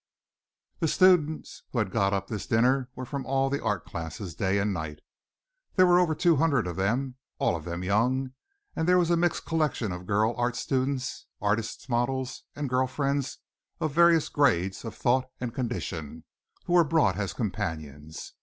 The students who had got up this dinner were from all the art classes, day and night. There were over two hundred of them, all of them young, and there was a mixed collection of girl art students, artist's models and girl friends of various grades of thought and condition, who were brought as companions.